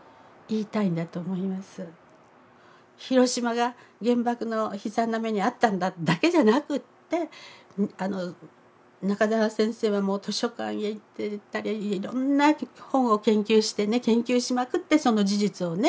広島が原爆の悲惨な目に遭ったんだだけじゃなくて中沢先生は図書館へ行ったりいろんな本を研究して研究しまくってその事実をね